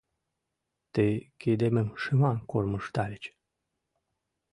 Тый кидемым шыман кормыжтальыч.